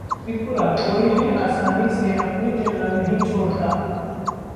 त्रिपुराः कोई भी आसानी से अपनी जगह नहीं छोड़ता